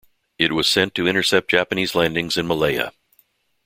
It was sent to intercept Japanese landings in Malaya.